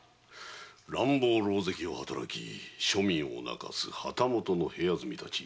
乱暴狼藉を働き庶民を泣かす旗本の部屋住みたち。